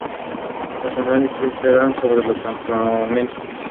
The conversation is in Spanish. Los análisis serán sobre los componentes.